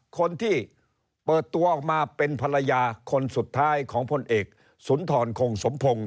คนที่เปิดตัวออกมาเป็นภรรยาคนสุดท้ายของพลเอกสุนทรคงสมพงศ์